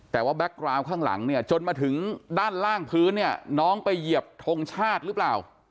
แต่ว่าแก๊กกราวข้างหลังเนี่ยจนมาถึงด้านล่างพื้นเนี่ยน้องไปเหยียบทงชาติหรือเปล่า